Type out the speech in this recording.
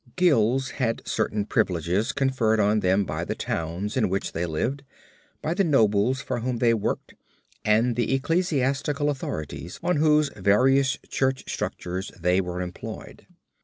Guilds had certain privileges conferred on them by the towns in which they lived, by the nobles for whom they worked and the ecclesiastical authorities on whose various church structures they were employed.